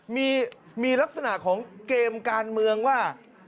มีลักษณะของเกมการเมืองว่า